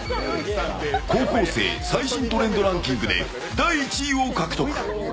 高校生最新トレンドランキングで第１位を獲得。